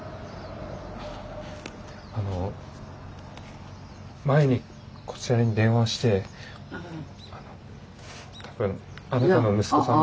あの前にこちらに電話をして多分あなたの息子さんのフリ。